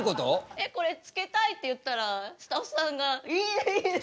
えこれつけたいって言ったらスタッフさんが「いいねいいね！」